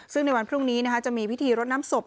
ซึ่งในวันพรุ่งนี้จะมีพิธีรดน้ำศพ